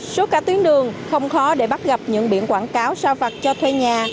suốt cả tuyến đường không khó để bắt gặp những biển quảng cáo sao phạt cho thuê nhà